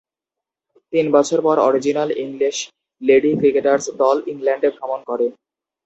তিন বছর পর অরিজিনাল ইংলিশ লেডি ক্রিকেটার্স দল ইংল্যান্ডে ভ্রমণ করে।